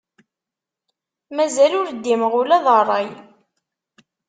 Mazal ur ddimeɣ ula d rray.